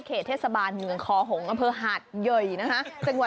เขตเทศบาลเมืองคอหงษ์อำเภอหาดเยยนะคะ